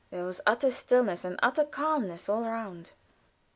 There was utter stillness and utter calm all round.